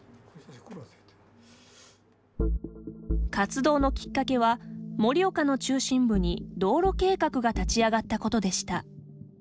活動のきっかけは盛岡の中心部に道路計画が立ち上がったことでした。